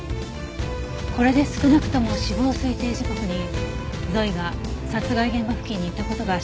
これで少なくとも死亡推定時刻にゾイが殺害現場付近にいた事が証明できるわね。